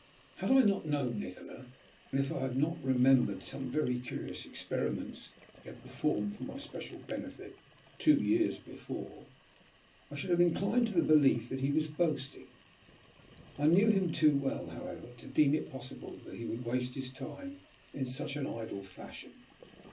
Had I not known Nikola, and if I had not remembered some very curious experiments he had performed for my special benefit two years before, I should have inclined to the belief that he was boasting. I knew him too well, however, to deem it possible that he would waste his time in such an idle fashion.